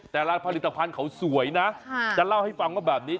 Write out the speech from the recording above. แต่ร้านผลิตภัณฑ์เขาสวยนะจะเล่าให้ฟังว่าแบบนี้